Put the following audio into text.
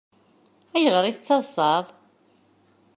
Ayɣer i tettaḍsaḍ?